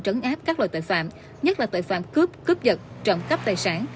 trấn áp các loại tội phạm nhất là tội phạm cướp cướp vật trộm cắp tài sản